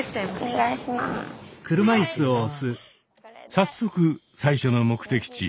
早速最初の目的地着物